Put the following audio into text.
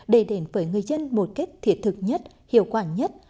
đề định với người dân một kết thiệt thực nhất hiệu quả nhất